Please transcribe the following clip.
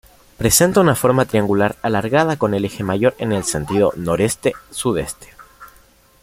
Presenta una forma triangular alargada con el eje mayor en sentido noroeste-sudeste.